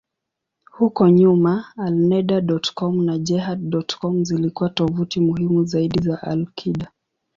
Huko nyuma, Alneda.com na Jehad.net zilikuwa tovuti muhimu zaidi za al-Qaeda.